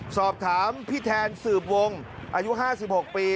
สอบถามพี่แทนสืบวงอายุ๕๖ปี